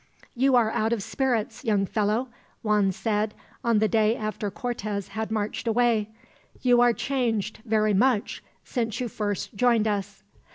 "You are out of spirits, young fellow," Juan said, on the day after Cortez had marched away. "You are changed, very much, since you first joined us."